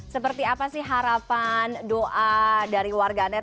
seperti apa sih harapan doa dari warganet